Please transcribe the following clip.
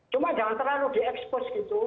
cuma jangan terlalu di expose gitu